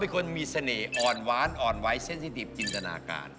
คนมีเสน่ห์อ่อนว้านอ่อนไว้เส้นที่ดิบจินตนาการ